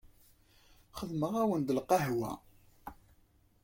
Xedmeɣ-awen-d lqahwa.